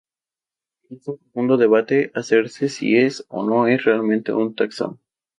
Existe un profundo debate hacerse de si es o no realmente un taxón.